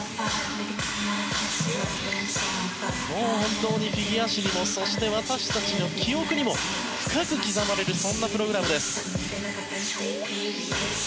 本当にフィギュア史にもそして私たちの記憶にも深く刻まれるそんなプログラムです。